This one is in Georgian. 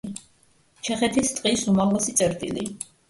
ჩეხეთის ტყის უმაღლესი წერტილი.